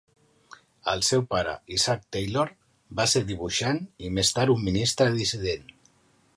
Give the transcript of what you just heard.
El seu pare, Isaac Taylor, va ser dibuixant i més tard un ministre dissident.